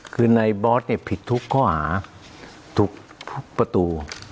คือในบอสเนี่ยผิดทุกข้อหาทุกประตู